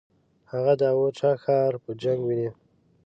هغه د اوچه ښار په جنګ ونیوی.